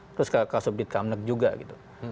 terus ke kasubdit kamnek juga gitu